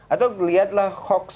atau lihatlah hukum